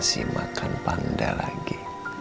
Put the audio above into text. nasi makan panda lagi